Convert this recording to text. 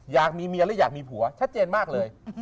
อยากมีเมียและอยากมีผัวชัดเจนมากเลย